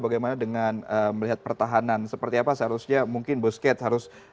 bagaimana dengan melihat pertahanan seperti apa seharusnya mungkin boscade harus